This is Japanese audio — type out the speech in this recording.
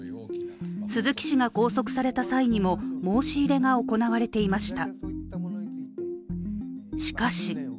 鈴木氏が拘束された際にも申し入れが行われていました。